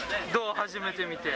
初めて見て。